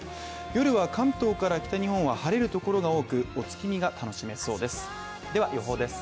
夜は関東から北日本は晴れるところが多く、お月見が楽しめそうです。